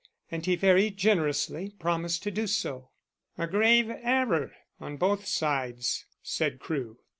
And he very generously promised to do so." "A grave error on both sides," said Crewe.